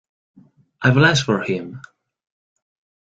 I blush for him.